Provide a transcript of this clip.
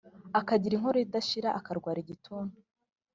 akagira inkorora idashira, akarwara igituntu,